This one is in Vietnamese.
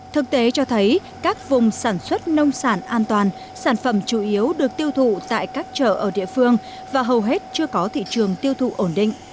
thực tế cho thấy các vùng sản xuất nông sản an toàn sản phẩm chủ yếu được tiêu thụ tại các chợ ở địa phương và hầu hết chưa có thị trường tiêu thụ ổn định